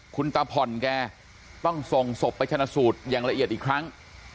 คุณตาผ่อนแกต้องส่งศพไปชนะสูตรอย่างละเอียดอีกครั้ง